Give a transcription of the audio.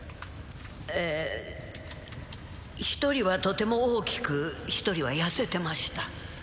ええ１人はとても大きく１人は痩せてました